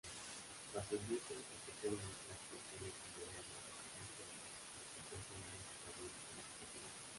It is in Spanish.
Las industrias, especialmente las pequeñas y medianas empresas, están teniendo un desarrollo significativo.